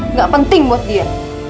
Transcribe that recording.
nggak penting buat dia